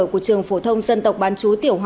của trường phổ thông dân tộc bán chú tiểu học